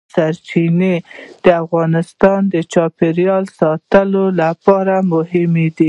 د اوبو سرچینې د افغانستان د چاپیریال ساتنې لپاره مهم دي.